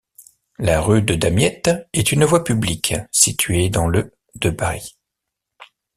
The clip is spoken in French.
La rue de Damiette est une voie publique située dans le de Paris.